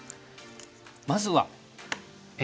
まずはＡ。